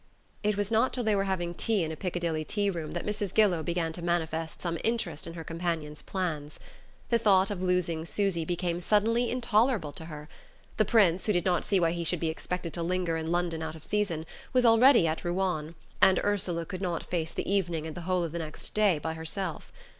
It was not till they were having tea in a Piccadilly tea room that Mrs. Gillow began to manifest some interest in her companion's plans. The thought of losing Susy became suddenly intolerable to her. The Prince, who did not see why he should be expected to linger in London out of season, was already at Ruan, and Ursula could not face the evening and the whole of the next day by herself.